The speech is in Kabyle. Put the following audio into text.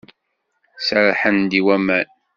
Serrḥen-d i waman.